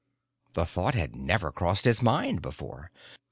The thought had never crossed his mind before.